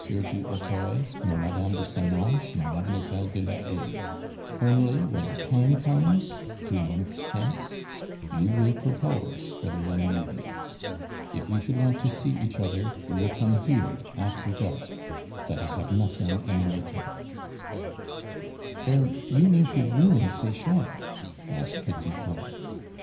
du Hautoy, nor Mme. de Senonches, nor Mlle. de la Haye; only, when the time comes, two months hence, you will propose for the young lady. If we should want to see each other, you will come here after dark. Let us have nothing in writing." "Then you mean to ruin Sechard?" asked Petit Claud.